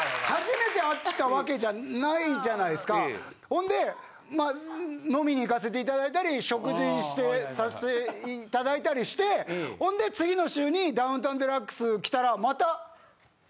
ほんで飲みに行かせていただいたり食事してさせていただいたりしてほんで次の週に『ダウンタウンＤＸ』きたらまた。